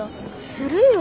するよ。